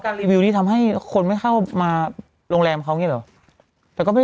ทางรีวิวนี้ทำให้คนไม่เข้ามาโรงแรมเขาเนี่ยเหรอ